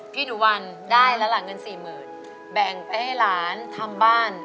พี่หนุวัลได้แล้วหลังเงิน๔๐๐๐๐แบ่งไปให้ร้านทำบ้าน